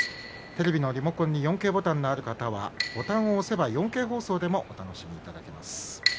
テレビのリモコンに４Ｋのボタンがある方はボタンを押せば４Ｋ放送でもお楽しみいただけます。